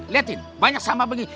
liatin banyak sampah bagi